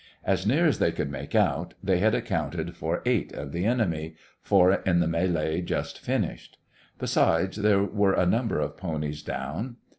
As near as they could make out, they had accounted for eight of the enemy, four in the mêlée just finished. Besides, there were a number of ponies down.